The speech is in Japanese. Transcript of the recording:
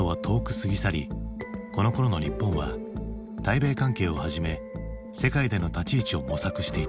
過ぎ去りこのころの日本は対米関係をはじめ世界での立ち位置を模索していた。